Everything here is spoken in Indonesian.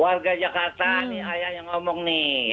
warga jakarta nih ayah yang ngomong nih